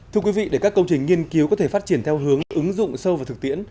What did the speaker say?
thưa quý vị để các công trình nghiên cứu có thể phát triển theo hướng ứng dụng sâu vào thực tiễn